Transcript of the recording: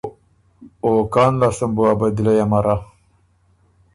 او کان لاستم بُو ا بدِلئ امرا۔